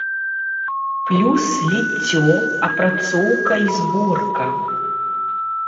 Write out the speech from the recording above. Плюс ліццё, апрацоўка і зборка.